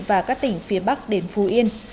và các tỉnh phía bắc đến phú yên